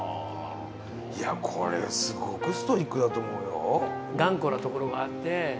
いやこれすごくストイックだと思うよ。